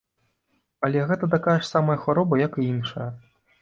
Але гэта такая ж самая хвароба, як і іншыя.